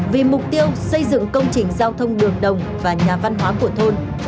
vì mục tiêu xây dựng công trình giao thông đường đồng và nhà văn hóa của thôn